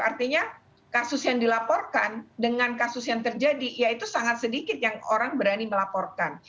artinya kasus yang dilaporkan dengan kasus yang terjadi ya itu sangat sedikit yang orang berani melaporkan